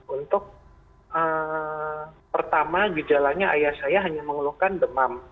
untuk pertama gejalanya ayah saya hanya mengeluhkan demam